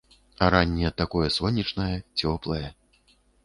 А ранне такое сонечнае, цёплае.